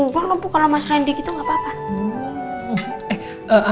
mbak mampu kalau mas randy gitu gak apa apa